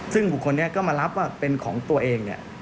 ซึ่งบุคคลก็มารับว่าเป็นของตัวเอง